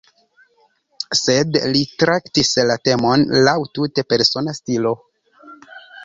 Sed li traktis la temon laŭ tute persona stilo.